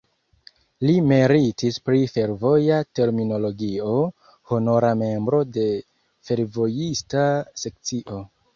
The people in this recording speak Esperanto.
Li meritis pri fervoja terminologio, honora membro de fervojista sekcio.